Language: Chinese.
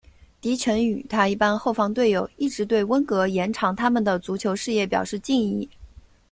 迪臣与他一班后防队友一直对温格延长他们的足球事业表示敬意。